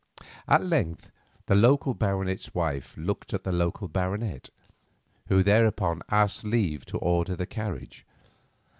At length the local baronet's wife looked at the local baronet, who thereupon asked leave to order the carriage.